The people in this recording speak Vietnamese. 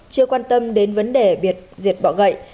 chưa quan tâm đến vấn đề biệt diệt bỏ gậy